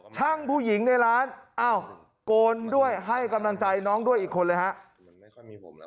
ผู้หญิงในร้านอ้าวโกนด้วยให้กำลังใจน้องด้วยอีกคนเลยครับ